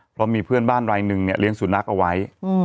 เพราะมีเพื่อนบ้านไร้หนึ่งเรียงสูรนักเอาไว้